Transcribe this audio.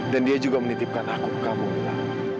dan dia juga menitipkan aku ke kamu mila